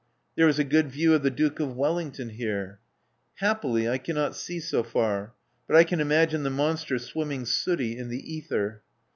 There is a good view of the Duke of Wellington here." Happily, I cannot see so far. But I can imagine the monster swimming sooty in the ether."